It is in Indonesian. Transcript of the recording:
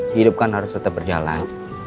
hidup kan harus tetap berjalan